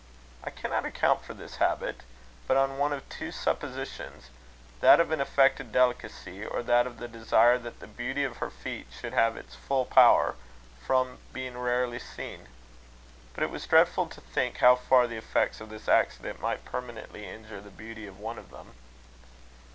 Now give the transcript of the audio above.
I cannot account for this habit, but on one of two suppositions; that of an affected delicacy, or that of the desire that the beauty of her feet should have its full power, from being rarely seen. But it was dreadful to think how far the effects of this accident might permanently injure the beauty of one of them.